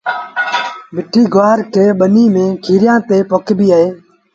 مٺي گُوآر کي ٻنيٚ ميݩ کيريآݩ تي پوکبو اهي